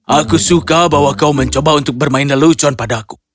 aku suka bahwa kau mencoba untuk bermain lelucon padaku